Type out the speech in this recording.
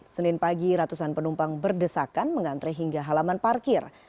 senin pagi ratusan penumpang berdesakan mengantre hingga halaman parkir